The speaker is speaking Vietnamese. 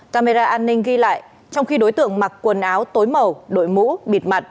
camera an ninh ghi lại trong khi đối tượng mặc quần áo tối màu đội mũ bịt mặt